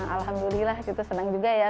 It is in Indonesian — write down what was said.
alhamdulillah senang juga ya